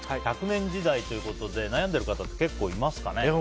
１００年時代ということで悩んでいる方って結構いますかね。